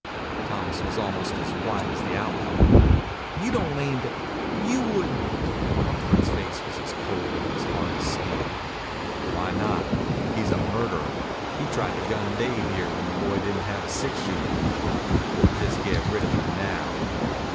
Thomas was almost as white as the outlaw. "You don't aim to you wouldn't " Crawford's face was as cold and as hard as steel. "Why not? He's a murderer. He tried to gun Dave here when the boy didn't have a six shooter. We'll jes' get rid of him now."